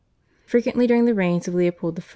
Frequently during the reigns of Leopold I.